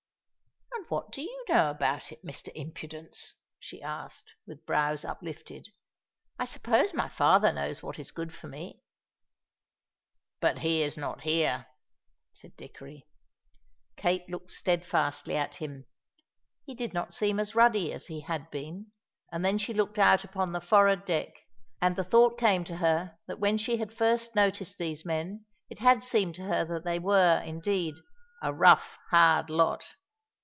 "And what do you know about it, Mr. Impudence?" she asked, with brows uplifted. "I suppose my father knows what is good for me." "But he is not here," said Dickory. Kate looked steadfastly at him. He did not seem as ruddy as he had been. And then she looked out upon the forward deck, and the thought came to her that when she had first noticed these men it had seemed to her that they were, indeed, a rough, hard lot.